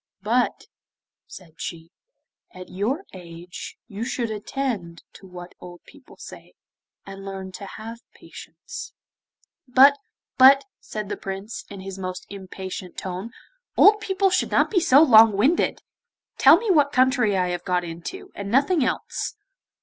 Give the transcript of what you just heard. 'But,' said she, 'at your age, you should attend to what old people say, and learn to have patience.' 'But, but,' said the Prince, in his most impatient tone, 'old people should not be so long winded! Tell me what country I have got into, and nothing else.